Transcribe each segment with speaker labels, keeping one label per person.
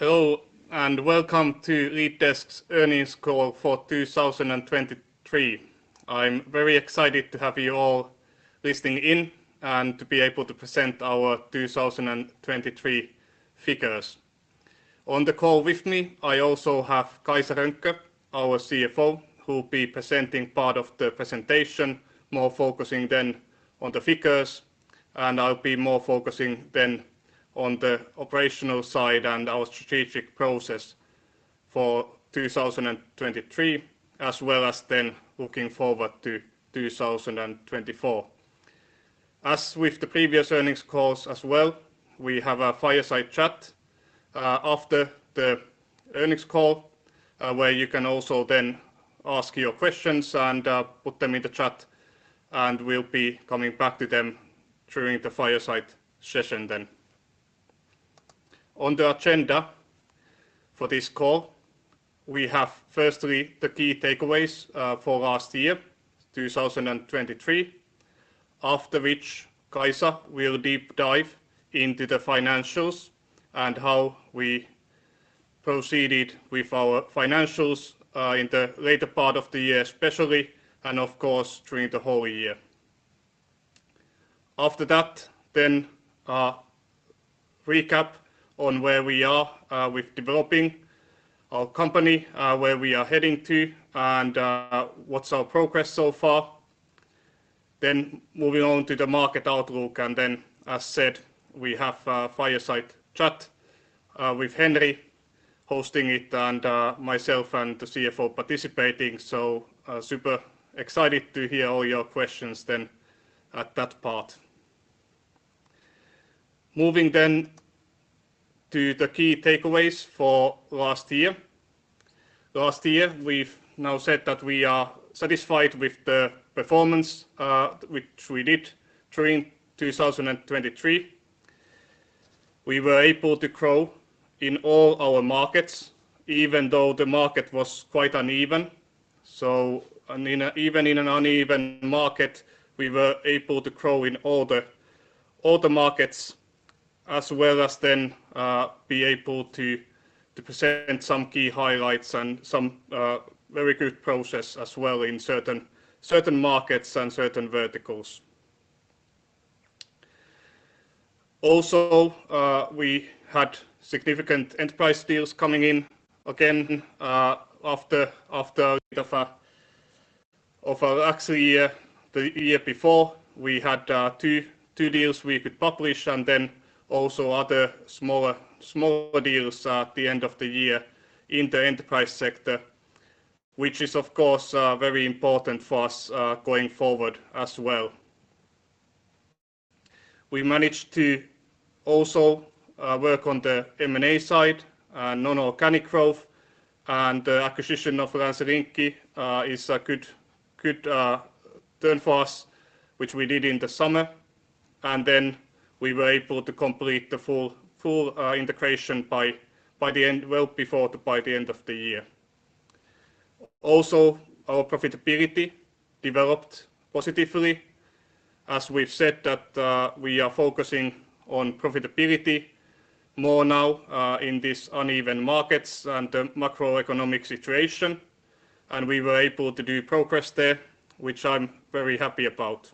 Speaker 1: Hello, and Welcome to LeadDesk's Earnings Call for 2023. I'm very excited to have you all listening in and to be able to present our 2023 figures. On the call with me, I also have Kaisa Rönkkö, our CFO, who'll be presenting part of the presentation, more focusing then on the figures, and I'll be more focusing then on the operational side and our strategic process for 2023, as well as then looking forward to 2024. As with the previous earnings calls as well, we have a Fireside Chat after the earnings call, where you can also then ask your questions and put them in the chat, and we'll be coming back to them during the fireside session then. On the agenda for this call, we have, firstly, the key takeaways for last year, 2023. After which Kaisa will deep dive into the financials and how we proceeded with our financials in the later part of the year, especially, and of course, during the whole year. After that, then, recap on where we are with developing our company, where we are heading to, and what's our progress so far. Then moving on to the market outlook, and then, as said, we have a Fireside Chat with Henri hosting it and myself and the CFO participating. So, super excited to hear all your questions then at that part. Moving then to the key takeaways for last year. Last year, we've now said that we are satisfied with the performance which we did during 2023. We were able to grow in all our markets, even though the market was quite uneven. Even in an uneven market, we were able to grow in all the markets as well as then be able to present some key highlights and some very good progress as well in certain markets and certain verticals. Also, we had significant enterprise deals coming in again, after a bit of a actually, the year before, we had two deals we could publish and then also other smaller deals at the end of the year in the enterprise sector, which is, of course, very important for us, going forward as well. We managed to also work on the M&A side, non-organic growth, and acquisition of Länsilinkki is a good, good turn for us, which we did in the summer, and then we were able to complete the full, full integration by, by the end well before, by the end of the year. Also, our profitability developed positively, as we've said that we are focusing on profitability more now in this uneven markets and the macroeconomic situation, and we were able to do progress there, which I'm very happy about.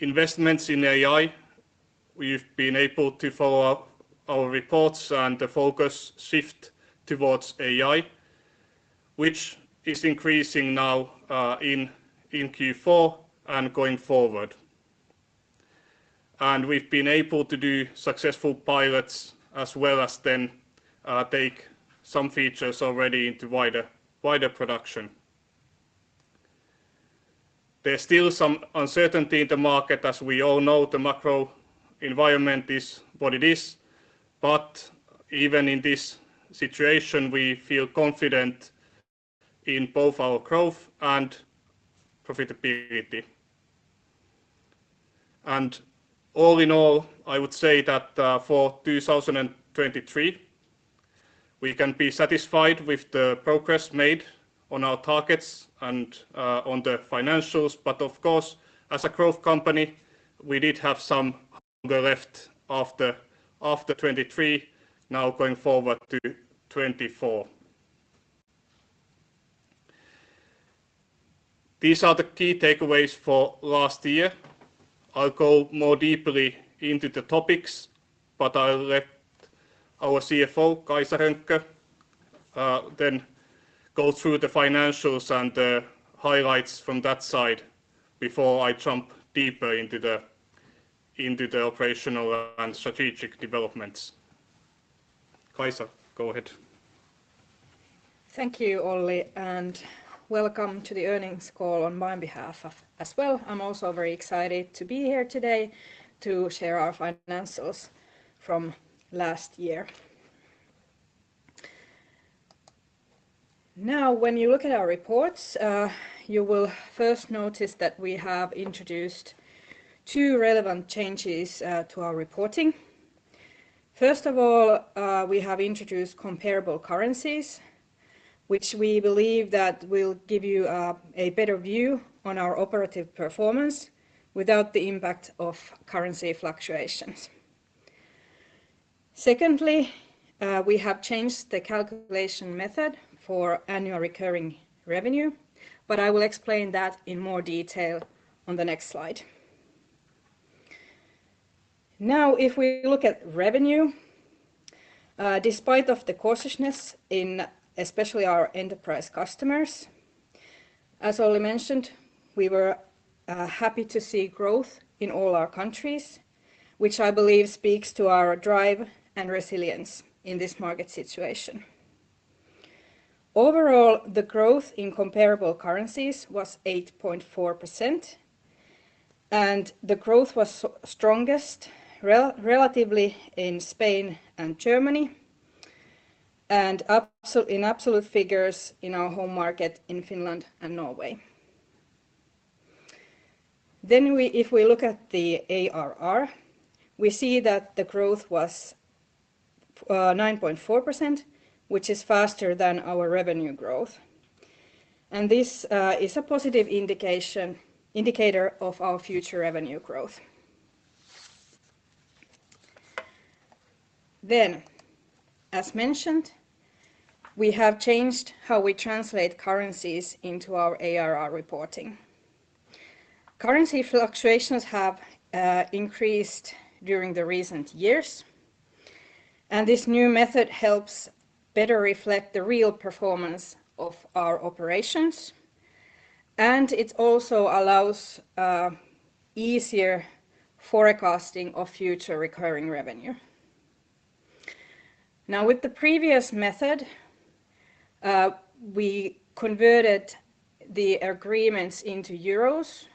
Speaker 1: Investments in AI, we've been able to follow up our reports and the focus shift towards AI, which is increasing now in Q4 and going forward. We've been able to do successful pilots as well as then take some features already into wider, wider production. There's still some uncertainty in the market. As we all know, the macro environment is what it is, but even in this situation, we feel confident in both our growth and profitability. All in all, I would say that, for 2023, we can be satisfied with the progress made on our targets and, on the financials, but of course, as a growth company, we did have some left after 2023, now going forward to 2024. These are the key takeaways for last year. I'll go more deeply into the topics, but I'll let our CFO, Kaisa Rönkkö, then go through the financials and the highlights from that side before I jump deeper into the operational and strategic developments. Kaisa, go ahead.
Speaker 2: Thank you, Olli, and welcome to the earnings call on my behalf as well. I'm also very excited to be here today to share our financials from last year. Now, when you look at our reports, you will first notice that we have introduced two relevant changes to our reporting. First of all, we have introduced comparable currencies, which we believe that will give you a better view on our operative performance without the impact of currency fluctuations. Secondly, we have changed the calculation method for annual recurring revenue, but I will explain that in more detail on the next slide. Now, if we look at revenue, despite of the cautiousness in especially our enterprise customers, as Olli mentioned, we were happy to see growth in all our countries, which I believe speaks to our drive and resilience in this market situation. Overall, the growth in comparable currencies was 8.4%, and the growth was strongest relatively in Spain and Germany, and in absolute figures in our home market in Finland and Norway. Then if we look at the ARR, we see that the growth was 9.4%, which is faster than our revenue growth, and this is a positive indication, indicator of our future revenue growth. Then, as mentioned, we have changed how we translate currencies into our ARR reporting. Currency fluctuations have increased during the recent years, and this new method helps better reflect the real performance of our operations, and it also allows easier forecasting of future recurring revenue. Now, with the previous method, we converted the agreements into euros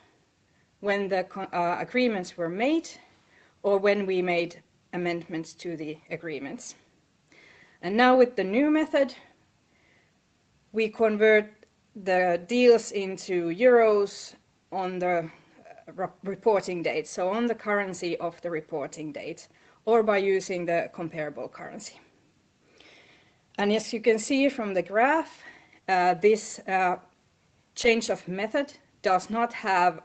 Speaker 2: when the agreements were made, or when we made amendments to the agreements. And now, with the new method, we convert the deals into euros on the reporting date, so on the currency of the reporting date, or by using the comparable currency. And as you can see from the graph, this, change of method does not have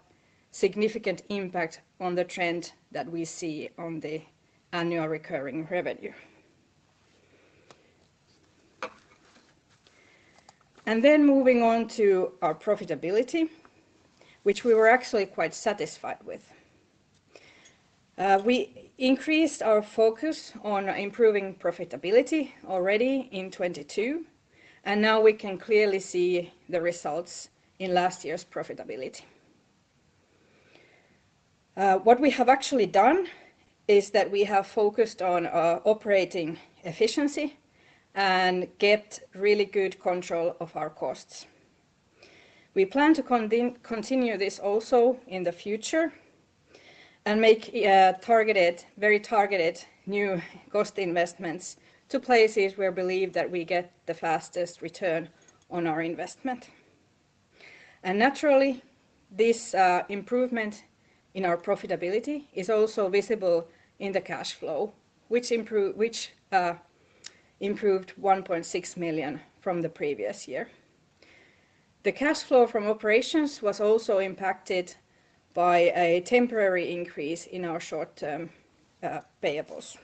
Speaker 2: significant impact on the trend that we see on the annual recurring revenue. And then moving on to our profitability, which we were actually quite satisfied with. We increased our focus on improving profitability already in 2022, and now we can clearly see the results in last year's profitability. What we have actually done is that we have focused on, operating efficiency and get really good control of our costs. We plan to continue this also in the future and make, targeted, very targeted new cost investments to places where we believe that we get the fastest return on our investment. And naturally, this, improvement in our profitability is also visible in the cash flow, which improved 1.6 million from the previous year. The cash flow from operations was also impacted by a temporary increase in our short-term payables.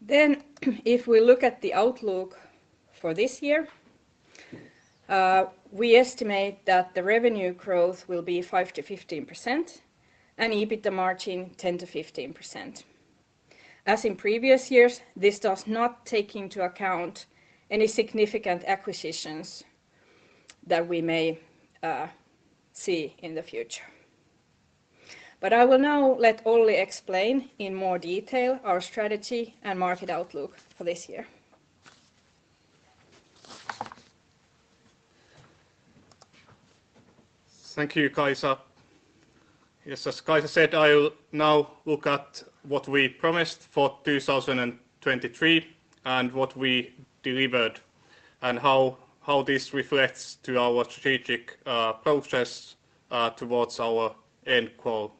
Speaker 2: Then, if we look at the outlook for this year, we estimate that the revenue growth will be 5%-15%, and EBITDA margin, 10%-15%. As in previous years, this does not take into account any significant acquisitions that we may, see in the future. But I will now let Olli explain in more detail our strategy and market outlook for this year.
Speaker 1: Thank you, Kaisa. Yes, as Kaisa said, I will now look at what we promised for 2023, and what we delivered, and how this reflects to our strategic process towards our end goal.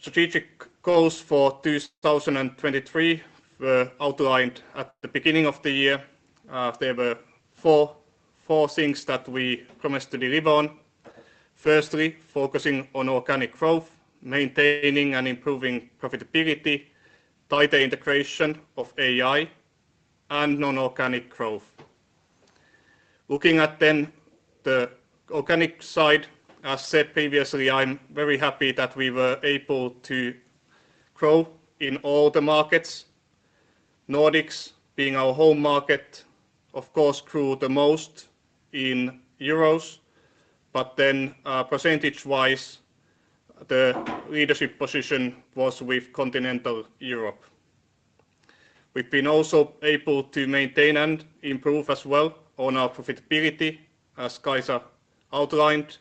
Speaker 1: Strategic goals for 2023 were outlined at the beginning of the year. There were four things that we promised to deliver on: firstly, focusing on organic growth, maintaining and improving profitability, tighter integration of AI, and non-organic growth. Looking at then the organic side, as said previously, I'm very happy that we were able to grow in all the markets. Nordics, being our home market, of course, grew the most in euros, but then, percentage-wise, the leadership position was with Continental Europe. We've been also able to maintain and improve as well on our profitability, as Kaisa outlined.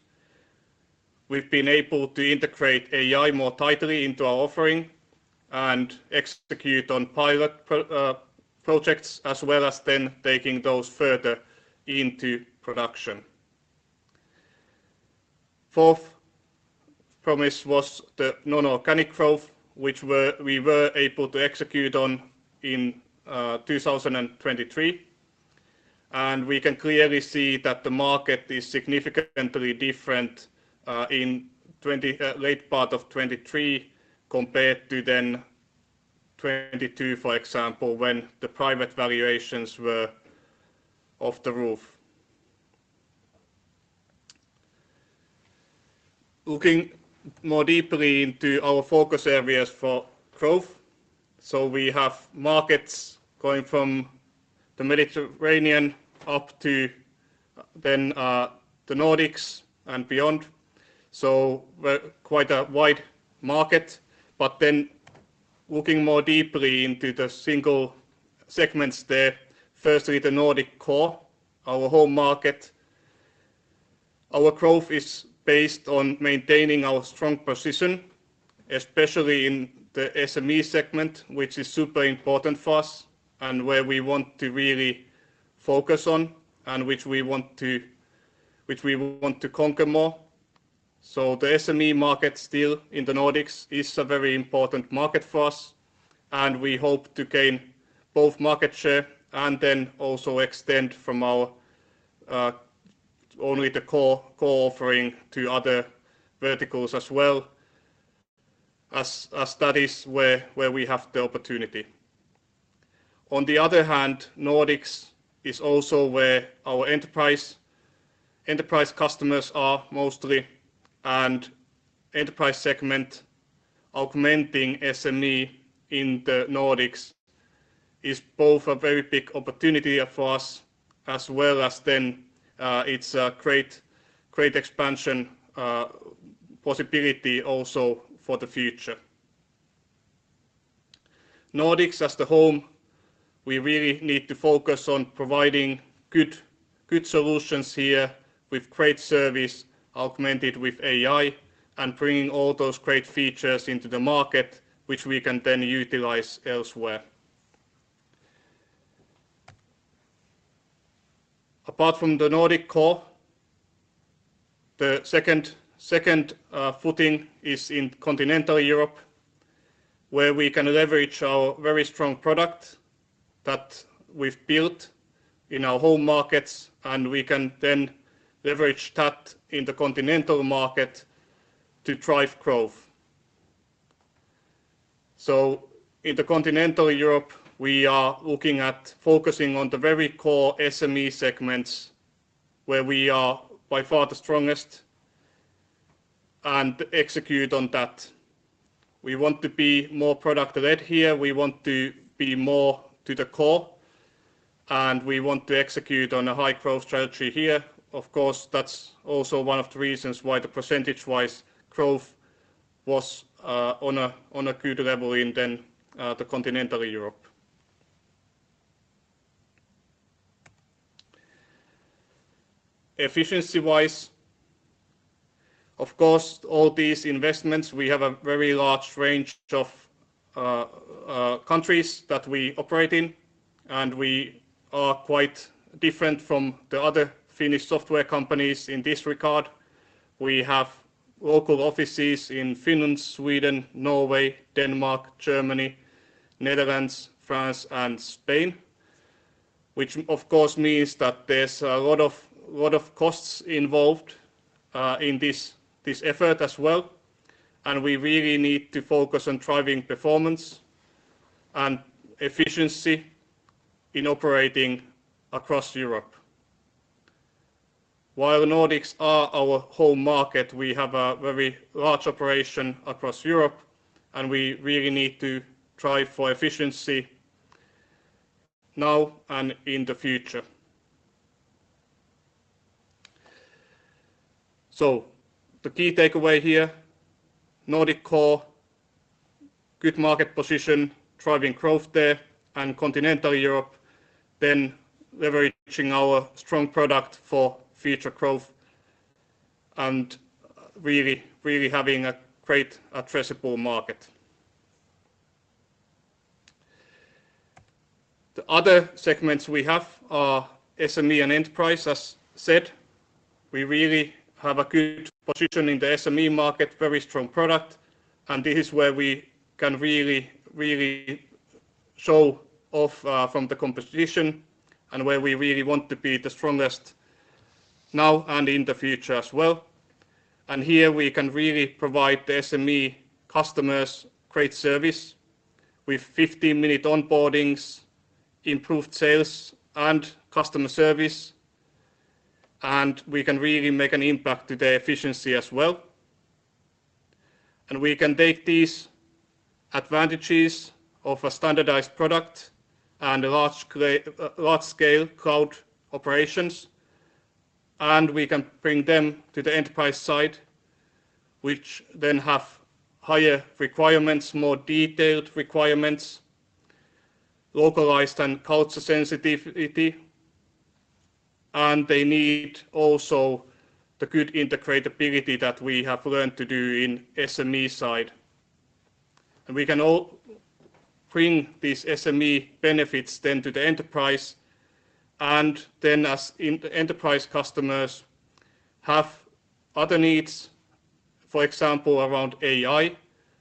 Speaker 1: We've been able to integrate AI more tightly into our offering and execute on pilot projects, as well as then taking those further into production. Fourth promise was the non-organic growth, which we're, we were able to execute on in 2023. And we can clearly see that the market is significantly different in the late part of 2023, compared to then 2022, for example, when the private valuations were off the roof. Looking more deeply into our focus areas for growth. We have markets going from the Mediterranean up to the Nordics and beyond. So we're quite a wide market. But then looking more deeply into the single segments there, firstly, the Nordic core, our home market. Our growth is based on maintaining our strong position, especially in the SME segment, which is super important for us, and where we want to really focus on, and which we want to, which we want to conquer more. So the SME market still in the Nordics is a very important market for us, and we hope to gain both market share and then also extend from our, only the core, core offering to other verticals as well as, as that is where, where we have the opportunity. On the other hand, Nordics is also where our enterprise, enterprise customers are mostly, and enterprise segment augmenting SME in the Nordics is both a very big opportunity for us, as well as then, it's a great, great expansion, possibility also for the future. Nordics, as the home, we really need to focus on providing good, good solutions here with great service, augmented with AI, and bringing all those great features into the market, which we can then utilize elsewhere. Apart from the Nordic core, the second, second footing is in Continental Europe, where we can leverage our very strong product that we've built in our home markets, and we can then leverage that in the continental market to drive growth. So in the Continental Europe, we are looking at focusing on the very core SME segments, where we are by far the strongest, and execute on that. We want to be more product-led here. We want to be more to the core, and we want to execute on a high-growth strategy here. Of course, that's also one of the reasons why the percentage-wise growth was on a good level in the Continental Europe. Efficiency-wise, of course, all these investments, we have a very large range of countries that we operate in, and we are quite different from the other Finnish software companies in this regard. We have local offices in Finland, Sweden, Norway, Denmark, Germany, Netherlands, France, and Spain, which of course means that there's a lot of costs involved in this effort as well, and we really need to focus on driving performance and efficiency in operating across Europe. While the Nordics are our home market, we have a very large operation across Europe, and we really need to drive for efficiency now and in the future. So the key takeaway here, Nordic core, good market position, driving growth there, and Continental Europe, then leveraging our strong product for future growth and really, really having a great addressable market. The other segments we have are SME and enterprise. As said, we really have a good position in the SME market, very strong product, and this is where we can really, really show off from the competition and where we really want to be the strongest now and in the future as well. And here we can really provide the SME customers great service with 15-minute onboardings, improved sales and customer service, and we can really make an impact to their efficiency as well. We can take these advantages of a standardized product and large-scale, large-scale cloud operations, and we can bring them to the enterprise side, which then has higher requirements, more detailed requirements, localized and cultural sensitivity, and they need also the good integrability that we have learned to do in SME side. We can all bring these SME benefits then to the enterprise. And then, as in the enterprise customers have other needs, for example, around AI,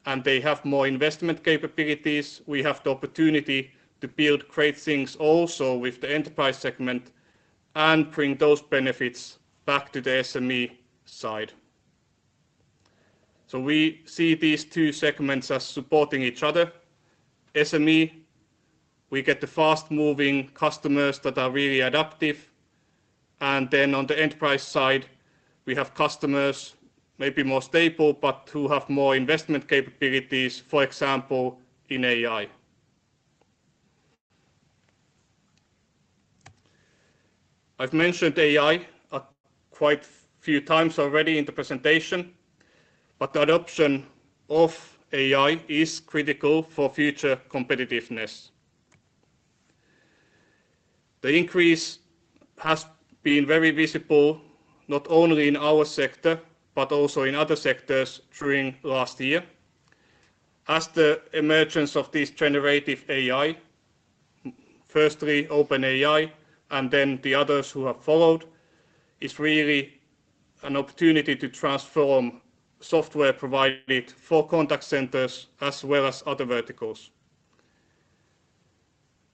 Speaker 1: and they have more investment capabilities, we have the opportunity to build great things also with the enterprise segment and bring those benefits back to the SME side. So we see these two segments as supporting each other. SME, we get the fast-moving customers that are really adaptive, and then on the enterprise side, we have customers, maybe more stable, but who have more investment capabilities, for example, in AI. I've mentioned AI a quite few times already in the presentation, but the adoption of AI is critical for future competitiveness. The increase has been very visible, not only in our sector, but also in other sectors during last year. As the emergence of this generative AI, firstly, OpenAI, and then the others who have followed, is really an opportunity to transform software provided for contact centers as well as other verticals.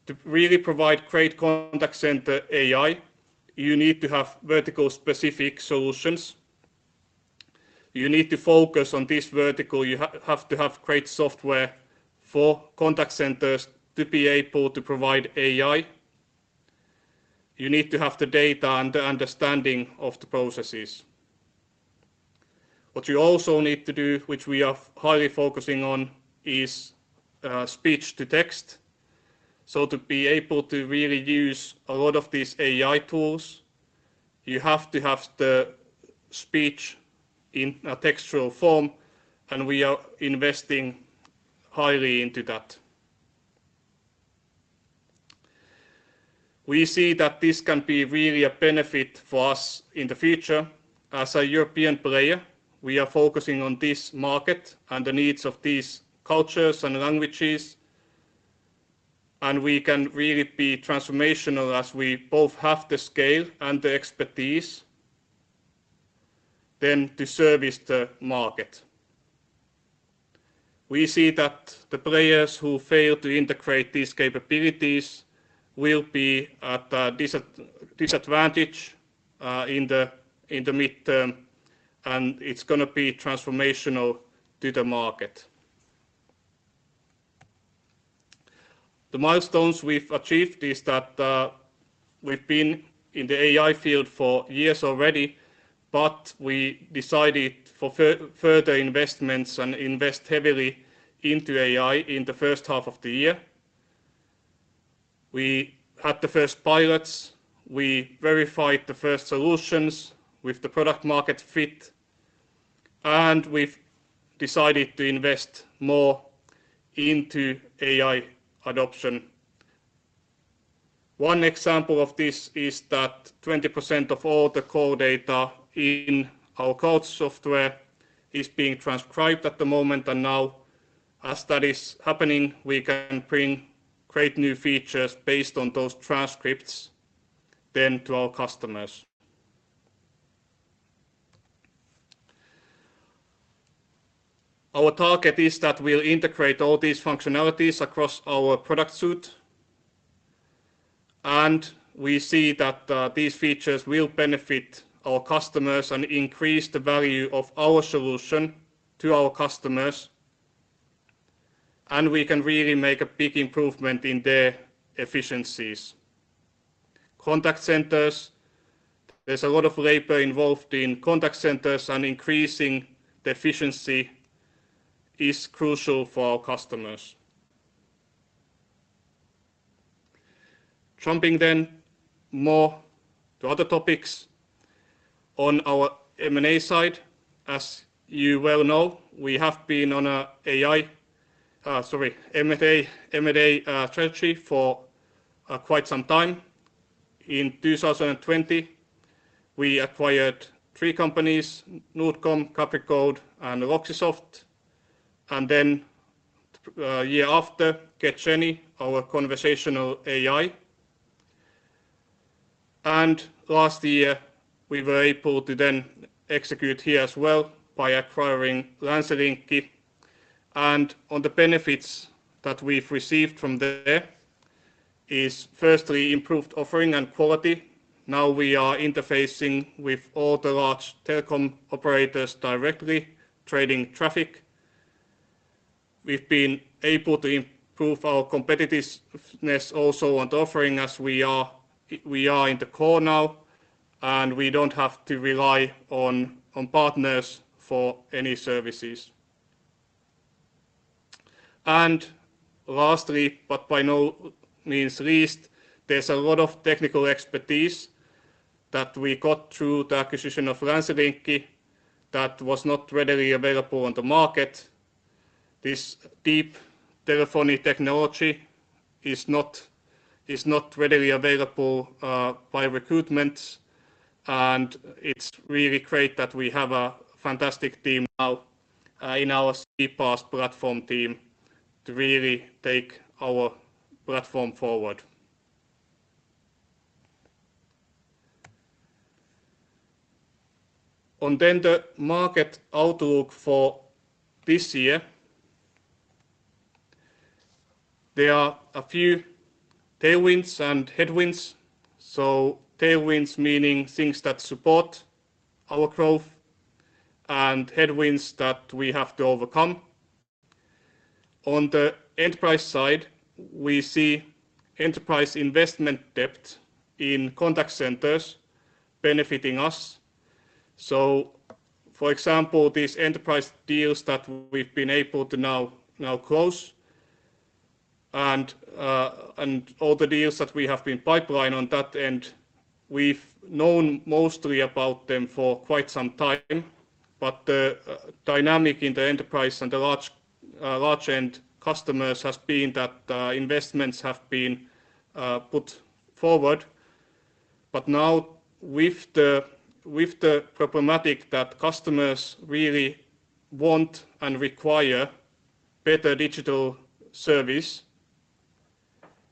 Speaker 1: To really provide great contact center AI, you need to have vertical-specific solutions. You need to focus on this vertical. You have to have great software for contact centers to be able to provide AI. You need to have the data and the understanding of the processes. What you also need to do, which we are highly focusing on, is speech-to-text. So to be able to really use a lot of these AI tools, you have to have the speech in a textual form, and we are investing highly into that. We see that this can be really a benefit for us in the future. As a European player, we are focusing on this market and the needs of these cultures and languages, and we can really be transformational as we both have the scale and the expertise, then to service the market. We see that the players who fail to integrate these capabilities will be at a disadvantage in the midterm, and it's gonna be transformational to the market. The milestones we've achieved is that, we've been in the AI field for years already, but we decided for further investments and invest heavily into AI in the first half of the year. We had the first pilots, we verified the first solutions with the product-market fit, and we've decided to invest more into AI adoption. One example of this is that 20% of all the call data in our Coach software is being transcribed at the moment, and now, as that is happening, we can bring great new features based on those transcripts then to our customers. Our target is that we'll integrate all these functionalities across our product suite, and we see that, these features will benefit our customers and increase the value of our solution to our customers, and we can really make a big improvement in their efficiencies. Contact centers, there's a lot of labor involved in contact centers, and increasing the efficiency is crucial for our customers. Jumping then more to other topics on our M&A side, as you well know, we have been on a AI, sorry, M&A, M&A, strategy for quite some time. In 2020, we acquired three companies, Nordcom, Capricode, and Loxysoft, and then year after, GetJenny, our conversational AI. And last year, we were able to then execute here as well by acquiring Länsilinkki, and on the benefits that we've received from there is firstly, improved offering and quality. Now we are interfacing with all the large telecom operators directly, trading traffic. We've been able to improve our competitiveness also on the offering as we are, we are in the core now, and we don't have to rely on partners for any services. Lastly, but by no means least, there's a lot of technical expertise that we got through the acquisition of Länsilinkki that was not readily available on the market. This deep telephony technology is not, is not readily available by recruitment. It's really great that we have a fantastic team now in our CPaaS platform team to really take our platform forward. Then the market outlook for this year, there are a few tailwinds and headwinds. Tailwinds meaning things that support our growth, and headwinds that we have to overcome. On the enterprise side, we see enterprise investment debt in contact centers benefiting us. So for example, these enterprise deals that we've been able to now, now close, and, and all the deals that we have been pipeline on that end, we've known mostly about them for quite some time, but the dynamic in the enterprise and the large, large end customers has been that investments have been put forward. But now, with the, with the problematic that customers really want and require better digital service,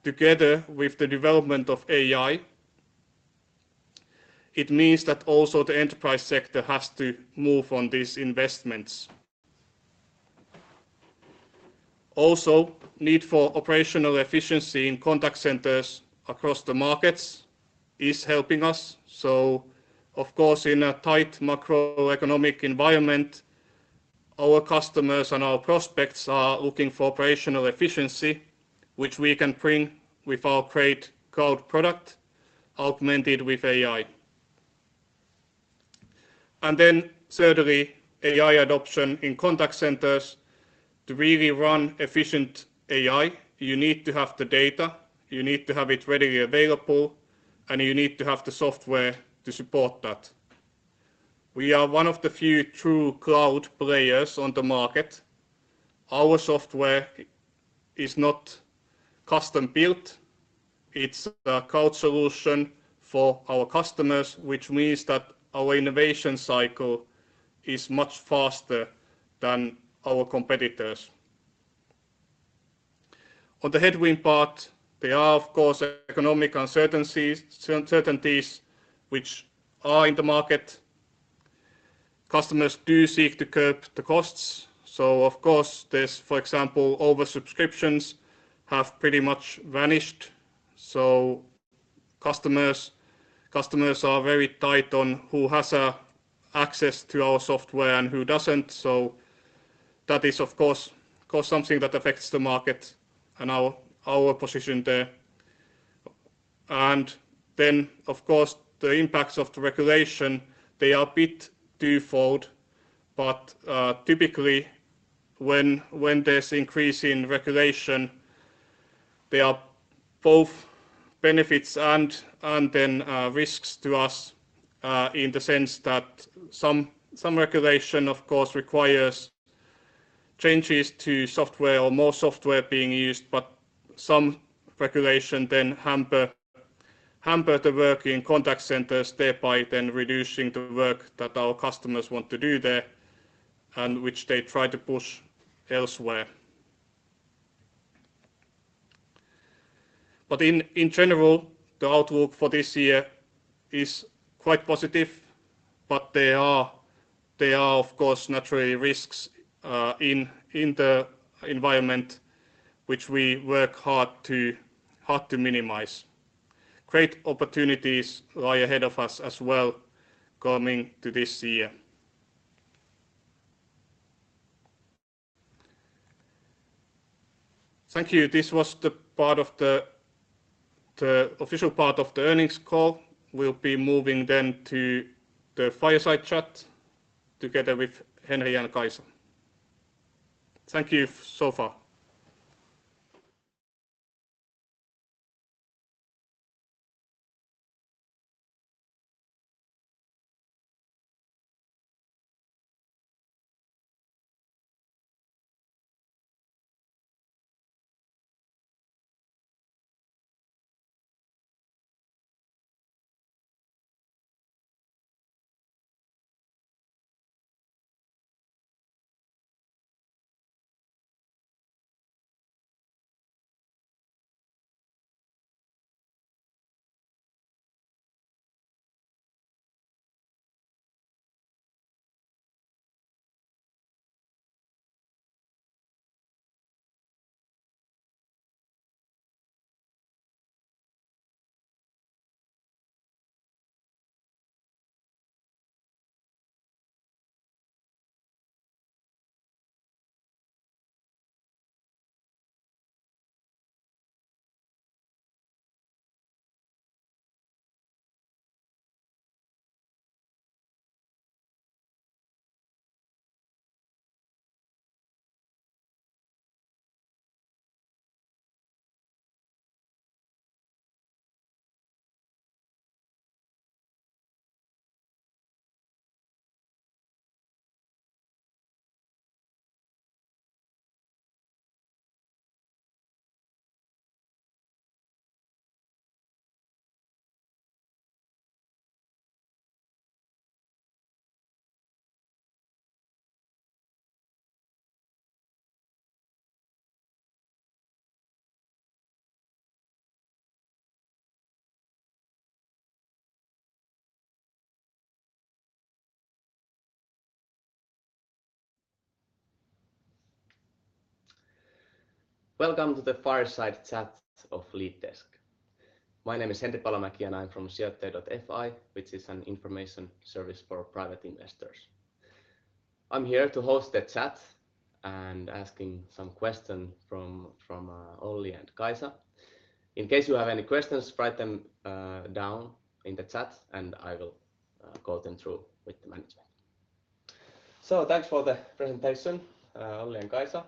Speaker 1: together with the development of AI, it means that also the enterprise sector has to move on these investments. Also, need for operational efficiency in contact centers across the markets is helping us. So of course, in a tight macroeconomic environment, our customers and our prospects are looking for operational efficiency, which we can bring with our great cloud product, augmented with AI. And then thirdly, AI adoption in contact centers. To really run efficient AI, you need to have the data, you need to have it readily available, and you need to have the software to support that. We are one of the few true cloud players on the market. Our software is not custom-built, it's a cloud solution for our customers, which means that our innovation cycle is much faster than our competitors. On the headwind part, there are, of course, economic uncertainties, certainties which are in the market. Customers do seek to curb the costs, so of course, there's, for example, oversubscriptions have pretty much vanished. So customers, customers are very tight on who has access to our software and who doesn't, so that is, of course, of course, something that affects the market and our, our position there. Then, of course, the impacts of the regulation, they are a bit twofold, but typically, when there's increase in regulation, there are both benefits and then risks to us in the sense that some regulation, of course, requires changes to software or more software being used, but some regulation then hamper the work in contact centers, thereby then reducing the work that our customers want to do there, and which they try to push elsewhere. But in general, the outlook for this year is quite positive, but there are, of course, naturally, risks in the environment, which we work hard to minimize. Great opportunities lie ahead of us as well, coming to this year. Thank you. This was the part of the official part of the earnings call. We'll be moving then to the Fireside Chat together with Henri and Kaisa. Thank you so far!
Speaker 3: Welcome to the Fireside Chat of LeadDesk. My name is Henri Palomäki, and I'm from Sijoittaja.fi, which is an information service for private investors. I'm here to host the chat and asking some question from Olli and Kaisa. In case you have any questions, write them down in the chat, and I will go them through with the management. So thanks for the presentation, Olli and Kaisa.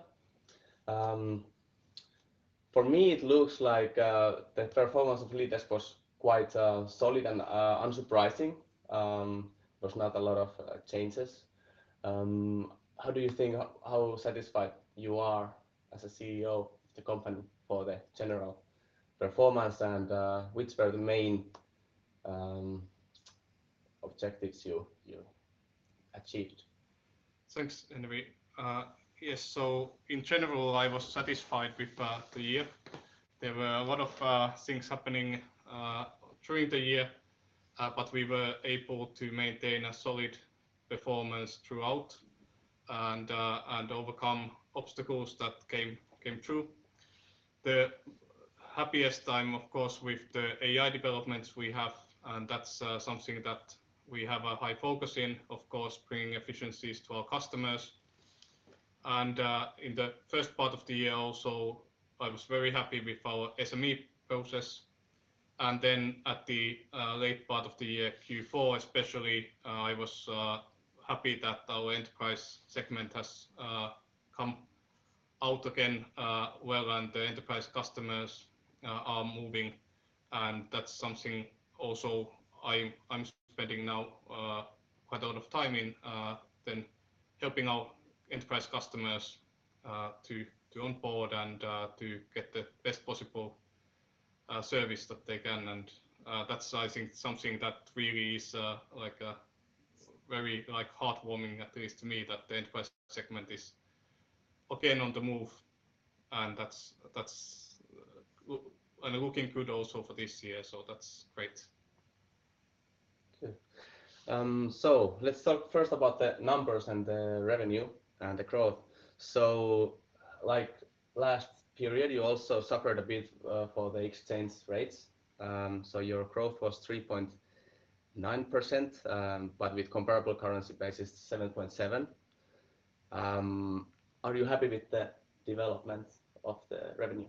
Speaker 3: For me, it looks like the performance of LeadDesk was quite solid and unsurprising. There was not a lot of changes. How do you think, how satisfied you are as a CEO of the company for the general performance, and which were the main objectives you achieved?
Speaker 1: Thanks, Henri. Yes, so in general, I was satisfied with the year. There were a lot of things happening during the year, but we were able to maintain a solid performance throughout and and overcome obstacles that came through. The happiest time, of course, with the AI developments we have, and that's something that we have a high focus in, of course, bringing efficiencies to our customers. In the first part of the year also, I was very happy with our SME process. Then at the late part of the year, Q4 especially, I was happy that our enterprise segment has come out again well, and the enterprise customers are moving, and that's something also I'm spending now quite a lot of time in then helping our enterprise customers to onboard and to get the best possible service that they can. That's I think something that really is like very like heartwarming, at least to me, that the enterprise segment is again on the move, and that's and looking good also for this year, so that's great.
Speaker 3: Okay. Let's talk first about the numbers and the revenue and the growth. Like last period, you also suffered a bit for the exchange rates. Your growth was 3.9%, but with comparable currency basis, 7.7%. Are you happy with the development of the revenue?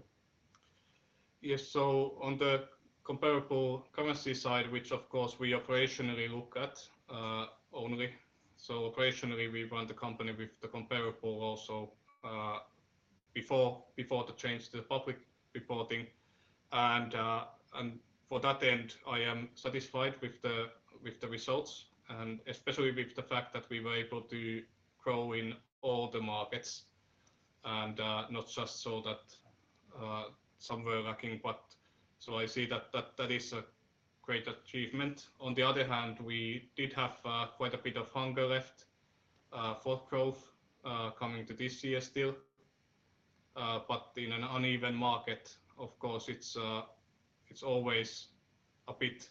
Speaker 1: Yes. So on the comparable currency side, which of course we operationally look at, only, so operationally, we run the company with the comparable also, before the change to the public reporting. For that end, I am satisfied with the results and especially with the fact that we were able to grow in all the markets and not just so that some were lacking, but. I see that is a great achievement. On the other hand, we did have quite a bit of hunger left for growth coming to this year still. But in an uneven market, of course, it's always a bit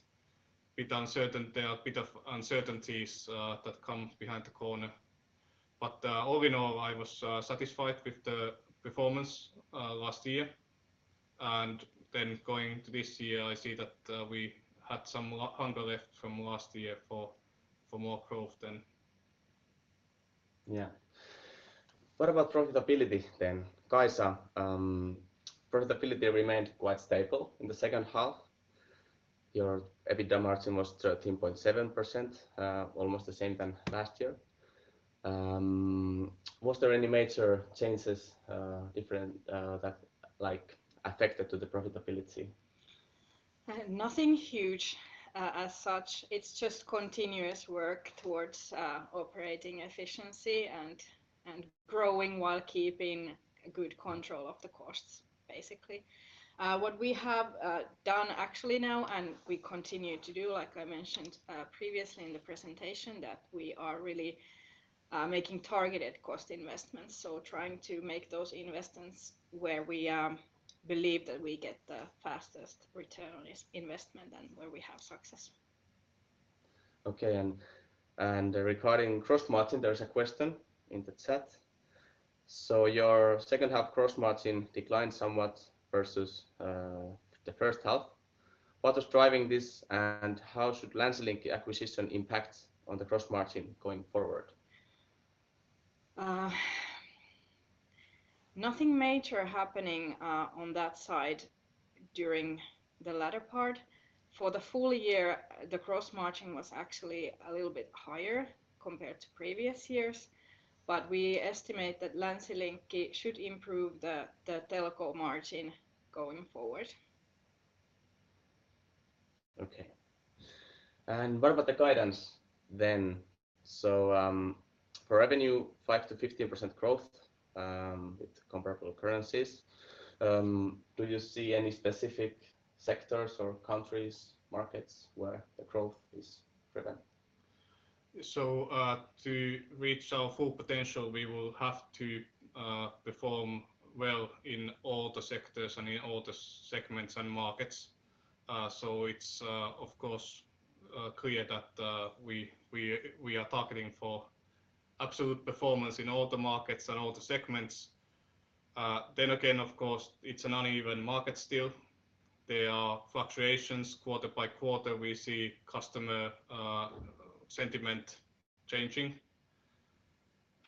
Speaker 1: uncertain. There are a bit of uncertainties that come behind the corner. But all in all, I was satisfied with the performance last year. Going into this year, I see that we had some hunger left from last year for more growth than-
Speaker 3: Yeah. What about profitability then? Kaisa, profitability remained quite stable in the second half. Your EBITDA margin was 13.7%, almost the same than last year. Was there any major changes, that, like, affected to the profitability?
Speaker 2: Nothing huge, as such. It's just continuous work towards operating efficiency and growing while keeping good control of the costs, basically. What we have done actually now and we continue to do, like I mentioned previously in the presentation, that we are really making targeted cost investments, so trying to make those investments where we believe that we get the fastest return on investment and where we have success.
Speaker 3: Okay, and regarding gross margin, there's a question in the chat. So your second half gross margin declined somewhat versus the first half. What is driving this, and how should Länsilinkki acquisition impact on the gross margin going forward?
Speaker 2: Nothing major happening on that side during the latter part. For the full year, the gross margin was actually a little bit higher compared to previous years, but we estimate that Länsilinkki should improve the telco margin going forward.
Speaker 3: Okay. What about the guidance then? For revenue, 5%-15% growth with comparable currencies. Do you see any specific sectors or countries, markets where the growth is driven?
Speaker 1: So, to reach our full potential, we will have to perform well in all the sectors and in all the segments and markets. So it's, of course, clear that we are targeting for absolute performance in all the markets and all the segments. Then again, of course, it's an uneven market still. There are fluctuations quarter by quarter. We see customer sentiment changing.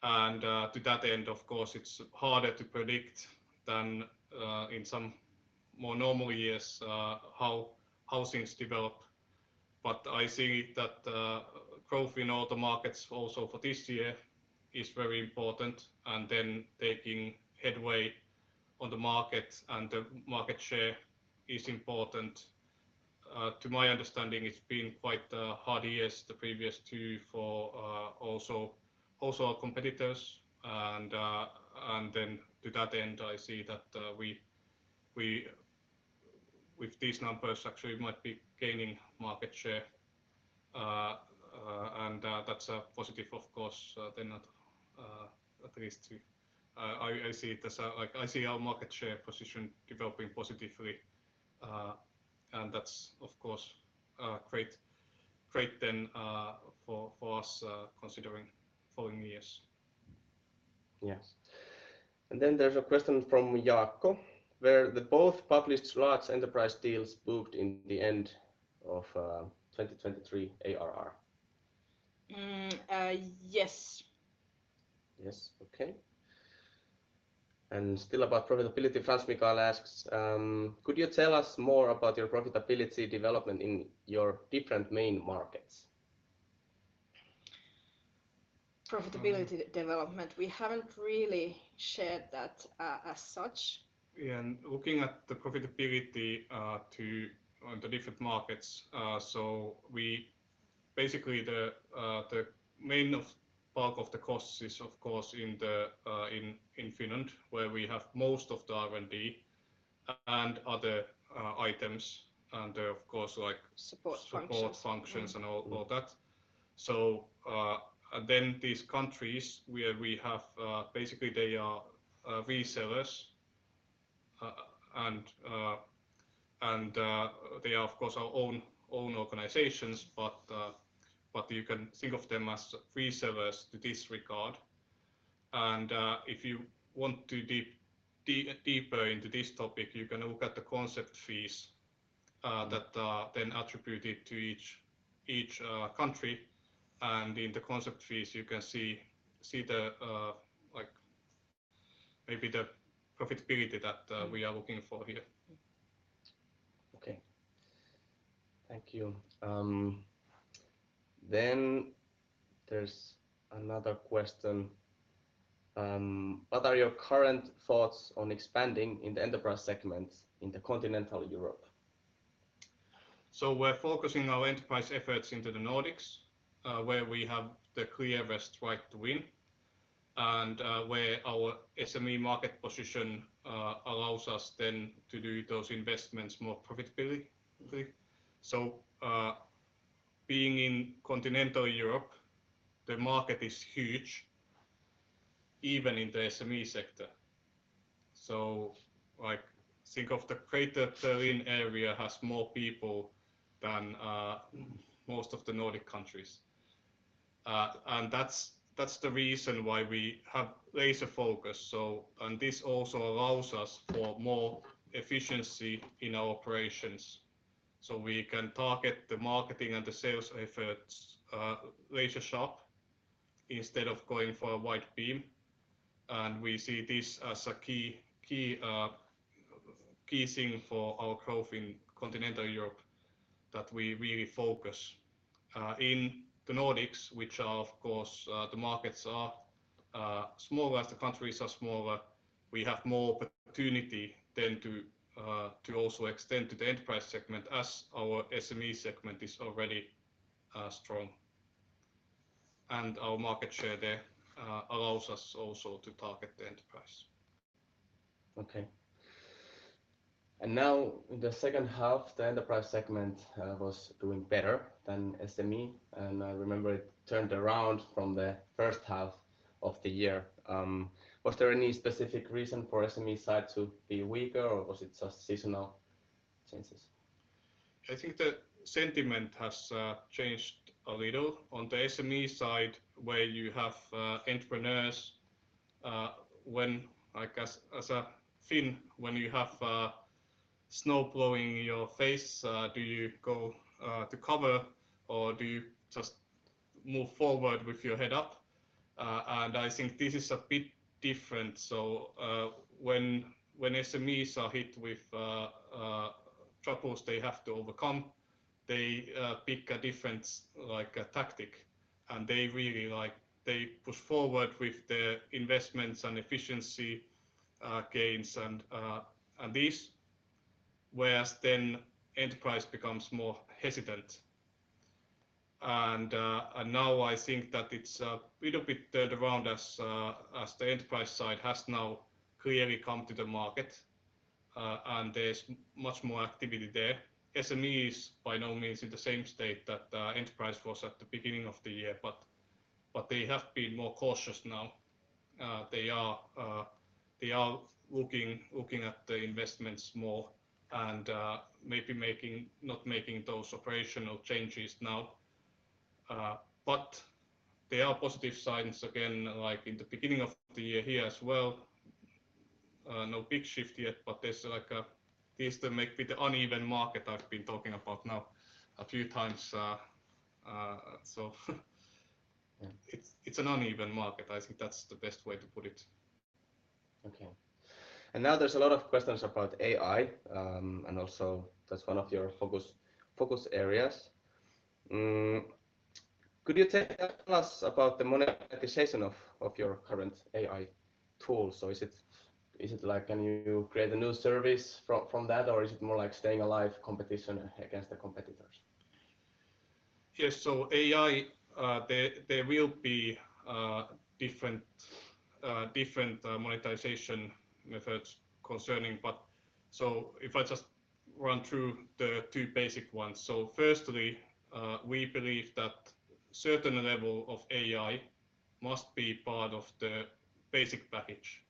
Speaker 1: And, to that end, of course, it's harder to predict than in some more normal years how things develop. But I see that growth in all the markets also for this year is very important, and then taking headway on the markets and the market share is important. To my understanding, it's been quite a hard years, the previous two, for also our competitors. Then to that end, I see that we with these numbers actually might be gaining market share. That's a positive, of course, then at least to I see it as a... Like, I see our market share position developing positively. That's of course great, great then for us, considering following years.
Speaker 3: Yes. And then there's a question from Jaakko: Were the both published large enterprise deals booked in the end of 2023 ARR?
Speaker 2: Yes.
Speaker 3: Yes. Okay. And still about profitability, Frans-Mikael asks, "Could you tell us more about your profitability development in your different main markets?
Speaker 2: Profitability development, we haven't really shared that, as such.
Speaker 1: Yeah. And looking at the profitability on the different markets, so we basically the main bulk of the costs is of course in Finland, where we have most of the R&D and other items, and of course, like-
Speaker 2: Support functions
Speaker 1: ...support functions and all that. So, and then these countries where we have, basically they are resellers, and they are, of course, our own organizations, but you can think of them as resellers to this regard. And, if you want to dig deeper into this topic, you can look at the concept fees that are then attributed to each country. And in the concept fees, you can see the, like maybe the profitability that we are looking for here.
Speaker 3: Okay. Thank you. Then there's another question. What are your current thoughts on expanding in the enterprise segment in the Continental Europe?
Speaker 1: So we're focusing our enterprise efforts into the Nordics, where we have the clearest right to win and, where our SME market position allows us then to do those investments more profitability. So, being in Continental Europe, the market is huge, even in the SME sector. So like think of the greater Berlin area has more people than, most of the Nordic countries. And that's the reason why we have laser focus. So... And this also allows us for more efficiency in our operations, so we can target the marketing and the sales efforts, laser sharp instead of going for a wide beam. We see this as a key, key, key thing for our growth in Continental Europe that we really focus in the Nordics, which are of course the markets are smaller as the countries are smaller. We have more opportunity then to to also extend to the enterprise segment as our SME segment is already strong. Our market share there allows us also to target the enterprise.
Speaker 3: Okay. And now in the second half, the enterprise segment was doing better than SME, and I remember it turned around from the first half of the year. Was there any specific reason for SME side to be weaker, or was it just seasonal changes?
Speaker 1: I think the sentiment has changed a little on the SME side, where you have entrepreneurs, when, like as, as a Finn, when you have snow blowing in your face, do you go to cover or do you just move forward with your head up? And I think this is a bit different. So, when, when SMEs are hit with troubles they have to overcome, they pick a different, like, a tactic, and they really like, they push forward with their investments and efficiency gains and this, whereas then enterprise becomes more hesitant. And now I think that it's a little bit turned around as, as the enterprise side has now clearly come to the market, and there's much more activity there. SME is by no means in the same state that enterprise was at the beginning of the year, but they have been more cautious now. They are looking at the investments more and maybe making, not making those operational changes now. But there are positive signs again, like in the beginning of the year here as well. No big shift yet, but there's like this the maybe the uneven market I've been talking about now a few times. So.
Speaker 3: Yeah.
Speaker 1: It's an uneven market. I think that's the best way to put it.
Speaker 3: Okay. Now there's a lot of questions about AI, and also that's one of your focus areas. Could you tell us about the monetization of your current AI tools? So is it like can you create a new service from that, or is it more like staying alive competition against the competitors?
Speaker 1: Yes. So AI, there will be different monetization methods concerning. But... So if I just run through the two basic ones. So firstly, we believe that certain level of AI must be part of the basic package,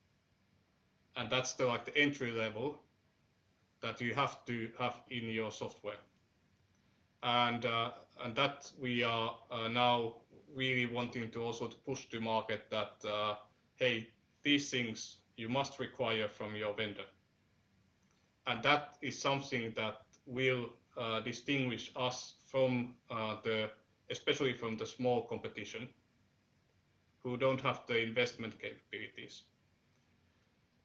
Speaker 1: and that's the, like, the entry level that you have to have in your software. And that we are now really wanting to also push the market that, hey, these things you must require from your vendor. And that is something that will distinguish us from, especially from the small competition, who don't have the investment capabilities.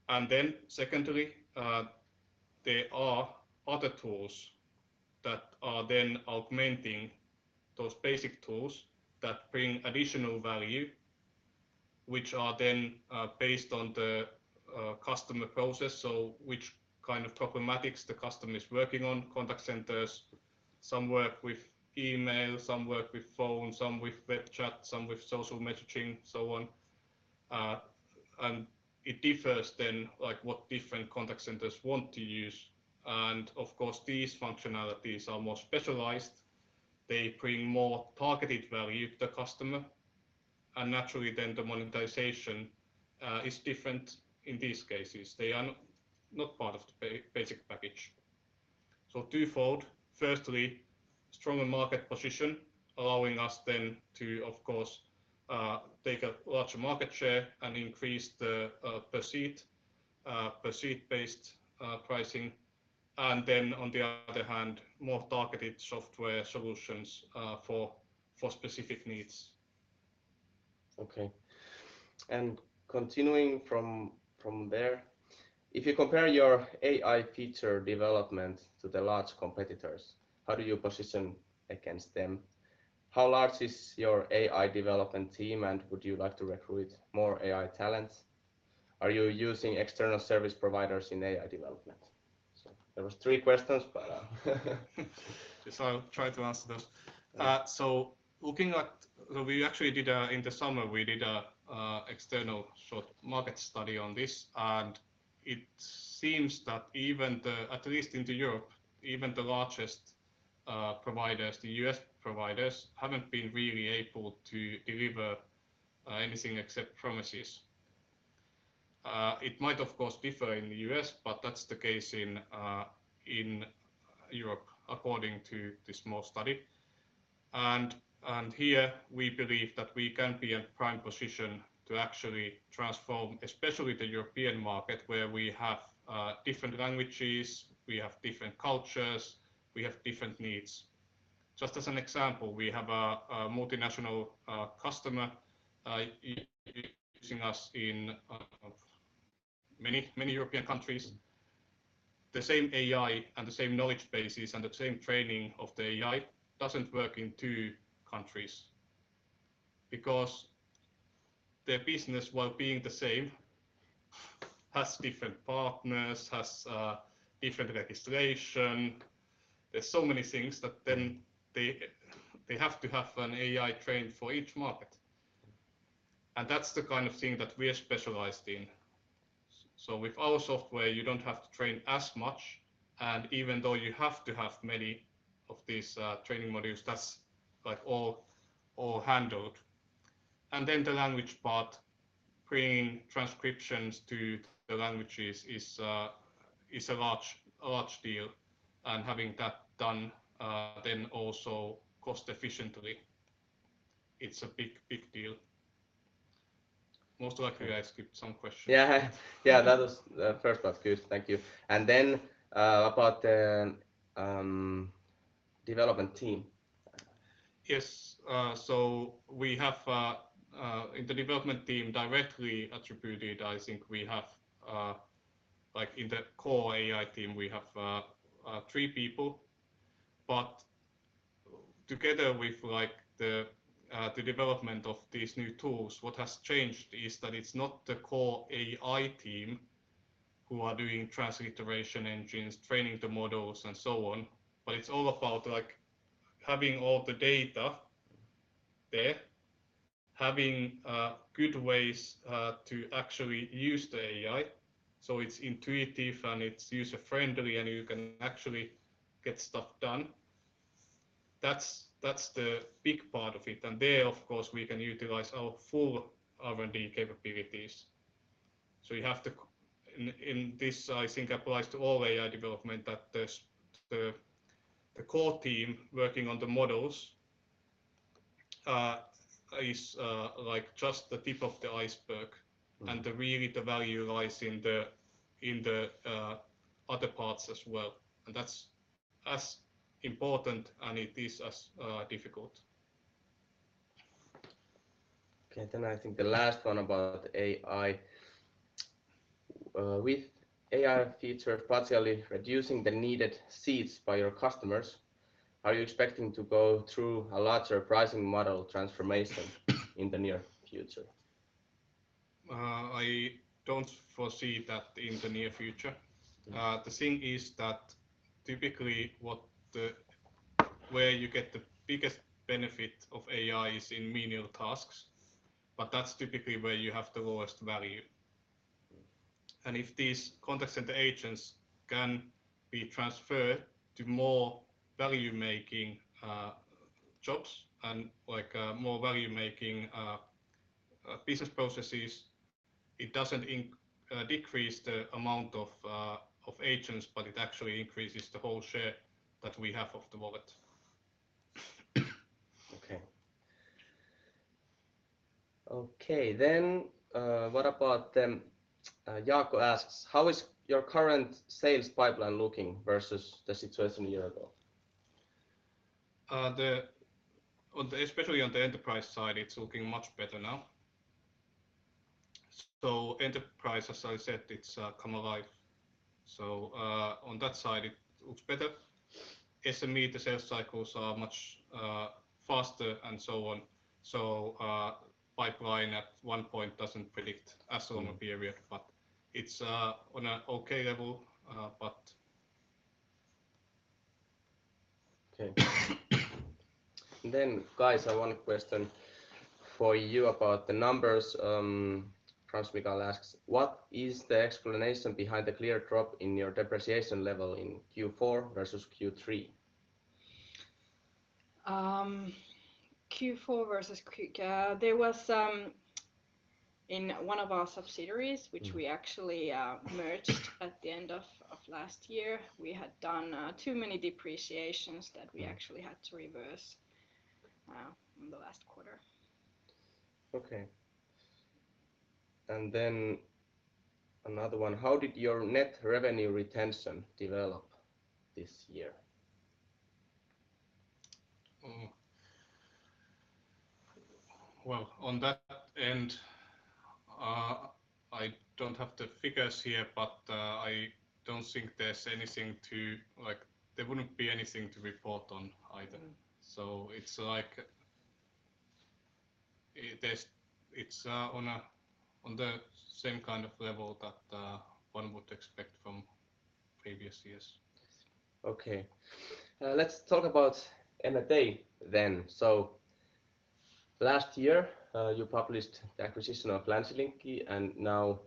Speaker 1: And then secondly, there are other tools that are then augmenting those basic tools that bring additional value, which are then based on the customer process. So which kind of problematics the customer is working on, contact centers. Some work with email, some work with phone, some with web chat, some with social messaging, so on. And it differs then, like what different contact centers want to use. And of course, these functionalities are more specialized. They bring more targeted value to the customer, and naturally, then the monetization is different in these cases. They are not part of the basic package. So twofold. Firstly, stronger market position, allowing us then to, of course, take a larger market share and increase the per seat, per seat-based pricing. And then, on the other hand, more targeted software solutions for specific needs.
Speaker 3: Okay. And continuing from, from there, if you compare your AI feature development to the large competitors, how do you position against them? How large is your AI development team, and would you like to recruit more AI talents? Are you using external service providers in AI development? So there was three questions, but,
Speaker 1: So I'll try to answer those. So looking at, we actually did, in the summer, we did a external short market study on this, and it seems that even the, at least in Europe, even the largest, providers, the US providers, haven't been really able to deliver, anything except promises. It might, of course, differ in the US, but that's the case in, in Europe, according to this small study. And here we believe that we can be in a prime position to actually transform, especially the European market, where we have, different languages, we have different cultures, we have different needs. Just as an example, we have a multinational, customer, using us in, of many, many European countries. The same AI and the same knowledge bases and the same training of the AI doesn't work in two countries because their business, while being the same, has different partners, has different registration. There's so many things that then they have to have an AI trained for each market, and that's the kind of thing that we are specialized in. So with our software, you don't have to train as much, and even though you have to have many of these training modules, that's like all, all handled. And then the language part, bringing transcriptions to the languages is a large, a large deal. And having that done then also cost efficiently, it's a big, big deal. Most likely I skipped some questions.
Speaker 3: Yeah. Yeah, that was the first part. Good. Thank you. And then, about the, development team.
Speaker 1: Yes, so we have, in the development team directly attributed, I think we have, like in the core AI team, we have, three people. But together with like the, the development of these new tools, what has changed is that it's not the core AI team who are doing translation iteration engines, training the models, and so on, but it's all about like having all the data there, having, good ways, to actually use the AI, so it's intuitive and it's user-friendly, and you can actually get stuff done. That's the big part of it. And there, of course, we can utilize our full R&D capabilities. So you have to, in this, I think applies to all AI development, that the core team working on the models is like just the tip of the iceberg.
Speaker 3: Mm.
Speaker 1: The real value lies in the other parts as well, and that's as important, and it is as difficult.
Speaker 3: Okay, then I think the last one about AI. With AI features partially reducing the needed seats by your customers, are you expecting to go through a larger pricing model transformation in the near future?
Speaker 1: I don't foresee that in the near future.
Speaker 3: Mm.
Speaker 1: The thing is that typically, where you get the biggest benefit of AI is in menial tasks, but that's typically where you have the lowest value. If these contact center agents can be transferred to more value-making jobs and, like, more value-making business processes, it doesn't decrease the amount of agents, but it actually increases the whole share that we have of the wallet.
Speaker 3: Okay. Okay, then, what about Jaakko asks, "How is your current sales pipeline looking versus the situation a year ago?
Speaker 1: Especially on the enterprise side, it's looking much better now. So enterprise, as I said, it's come alive, so on that side, it looks better. SME, the sales cycles are much faster and so on, so pipeline at one point doesn't predict a certain period, but it's on an okay level, but...
Speaker 3: Okay. Then, Kaisa, one question for you about the numbers. Frans-Mikael asks, "What is the explanation behind the clear drop in your depreciation level in Q4 versus Q3?
Speaker 2: Q4 versus Q3. There was in one of our subsidiaries which we actually merged at the end of last year, we had done too many depreciations that we actually had to reverse in the last quarter.
Speaker 3: Okay. And then another one: "How did your net revenue retention develop this year?
Speaker 1: Well, on that end, I don't have the figures here, but, I don't think there's anything to... Like, there wouldn't be anything to report on either.
Speaker 2: Mm.
Speaker 1: It's like on the same kind of level that one would expect from previous years.
Speaker 2: Yes.
Speaker 3: Okay. Let's talk about M&A then. So last year, you published the acquisition of Länsilinkki, and now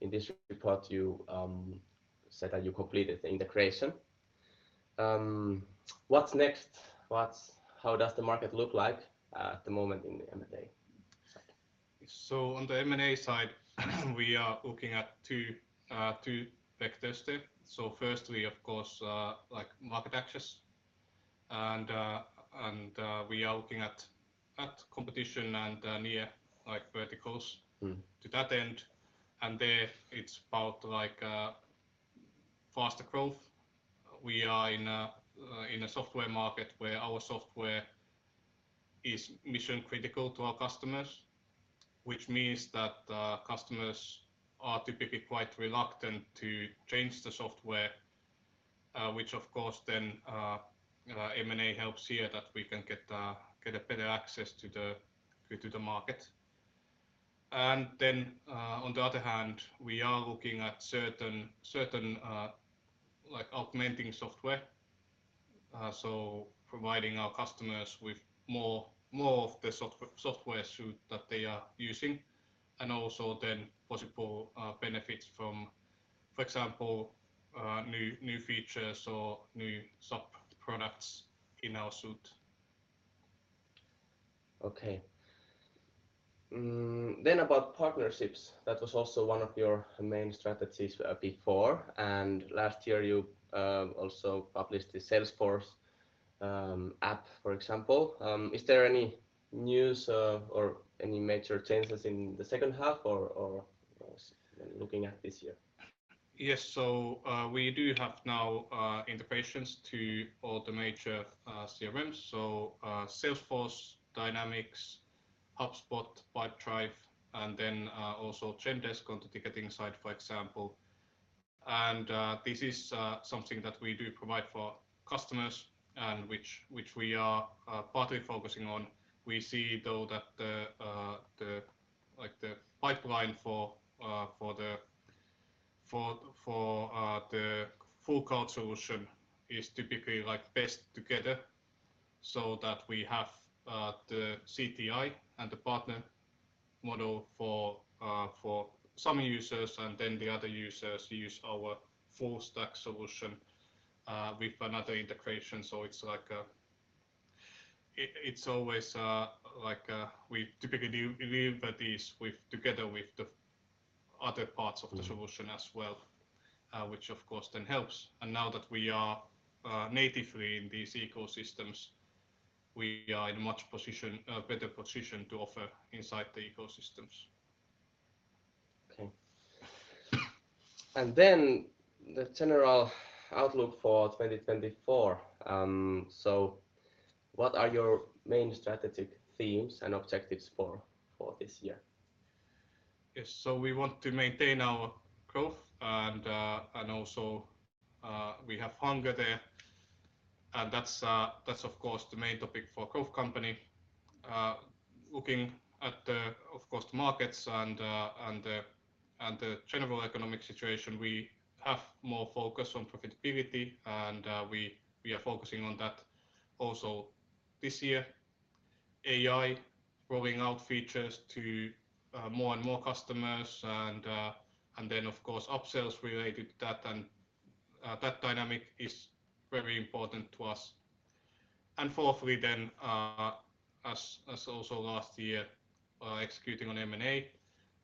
Speaker 3: in this report, you said that you completed the integration. What's next? What's-- How does the market look like at the moment in the M&A side?
Speaker 1: So on the M&A side, we are looking at two vectors there. So firstly, of course, like market access, and we are looking at competition and near, like, verticals.
Speaker 3: Mm.
Speaker 1: To that end, there it's about, like, faster growth. We are in a software market where our software is mission-critical to our customers, which means that customers are typically quite reluctant to change the software, which, of course, then M&A helps here that we can get a better access to the market. And then, on the other hand, we are looking at certain, like augmenting software, so providing our customers with more of the software suite that they are using, and also then possible benefits from, for example, new features or new sub-products in our suite.
Speaker 3: Okay. Then about partnerships, that was also one of your main strategies, before, and last year, you also published the Salesforce app, for example. Is there any news, or any major changes in the second half, or what we're looking at this year?
Speaker 1: Yes, so, we do have now integrations to all the major CRMs. So, Salesforce, Dynamics, HubSpot, Pipedrive, and then also Zendesk on the ticketing side, for example. And this is something that we do provide for customers and which we are partly focusing on. We see, though, that the, like, the pipeline for the full call solution is typically, like, best together, so that we have the CTI and the partner model for some users, and then the other users use our full stack solution with another integration. So it's like, it, it's always, like, we typically do deliver these with together with the other parts of the solution as well, which of course then helps. Now that we are natively in these ecosystems, we are in much better position to offer inside the ecosystems.
Speaker 3: Okay. And then the general outlook for 2024. So what are your main strategic themes and objectives for this year?
Speaker 1: Yes, so we want to maintain our growth and also we have hunger there, and that's of course the main topic for growth company. Looking at the, of course, the markets and the general economic situation, we have more focus on profitability and we are focusing on that also this year. AI, rolling out features to more and more customers, and then, of course, upsells related to that, and that dynamic is very important to us. And fourthly then, as also last year, executing on M&A,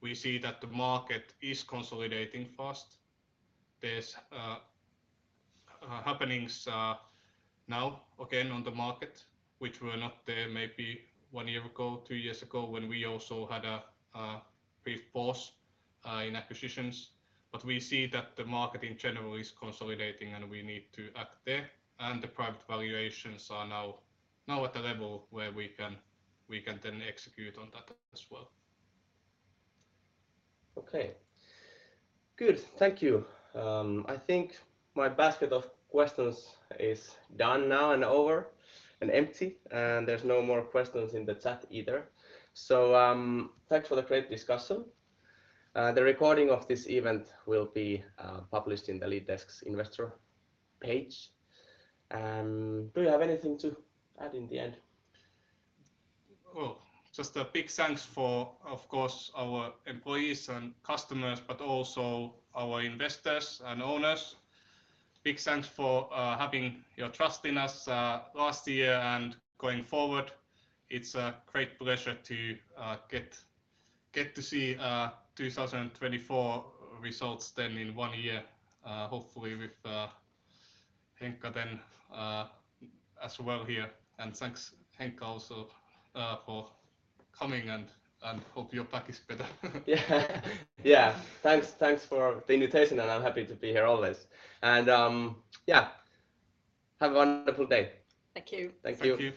Speaker 1: we see that the market is consolidating fast. There's happenings now again on the market, which were not there maybe one year ago, two years ago, when we also had a brief pause in acquisitions. We see that the market in general is consolidating, and we need to act there, and the private valuations are now at a level where we can then execute on that as well.
Speaker 3: Okay, good. Thank you. I think my basket of questions is done now and over and empty, and there's no more questions in the chat either. So, thanks for the great discussion. The recording of this event will be published in the LeadDesk's investor page. Do you have anything to add in the end?
Speaker 1: Well, just a big thanks for, of course, our employees and customers, but also our investors and owners. Big thanks for having your trust in us last year and going forward. It's a great pleasure to get to see 2024 results then in one year, hopefully with Henri then as well here. And thanks, Henri, also for coming and hope your back is better.
Speaker 3: Yeah. Yeah, thanks, thanks for the invitation, and I'm happy to be here always. And, yeah, have a wonderful day.
Speaker 2: Thank you.
Speaker 3: Thank you.
Speaker 1: Thank you.